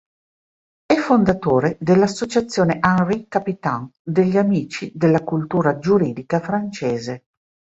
È fondatore dell'associazione Henri-Capitant degli amici della cultura giuridica francese.